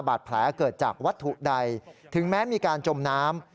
บาดแผลเกิดจากวัตถุใดถึงแม้มีการจมน้ำ